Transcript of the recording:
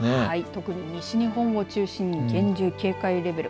特に西日本を中心に厳重警戒レベル